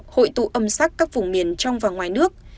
hội tụ âm sắc các vùng miền trong và ngoài nước